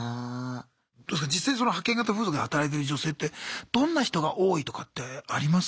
実際その派遣型風俗で働いてる女性ってどんな人が多いとかってあります？